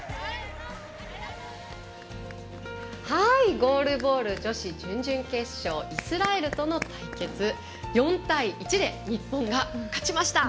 ゴールボール女子準々決勝イスラエルとの対決、４対１で日本が勝ちました。